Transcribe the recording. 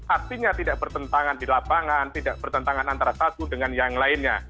artinya tidak bertentangan di lapangan tidak bertentangan antara satu dengan yang lainnya